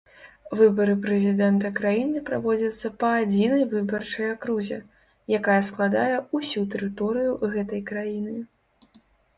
Выбары прэзідэнта краіны праводзяцца па адзінай выбарчай акрузе, якая складае ўсю тэрыторыю гэтай краіны.